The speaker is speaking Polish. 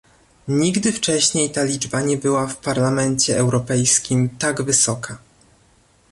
Nigdy wcześniej ta liczba nie była w Parlamencie Europejskim tak wysoka